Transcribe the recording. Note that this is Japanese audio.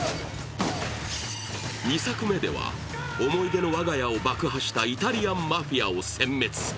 ２作目では思い出の我が家を爆破したイタリアンマフィアをせん滅。